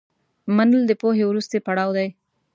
منل د پوهې وروستی پړاو دی.